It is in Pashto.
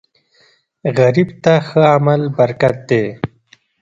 غریب ته ښه عمل برکت دی